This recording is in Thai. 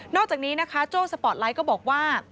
อกจากนี้นะคะโจ้สปอร์ตไลท์ก็บอกว่า